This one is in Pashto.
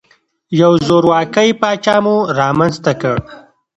یو زورواکۍ پاچا مو رامنځته کړ.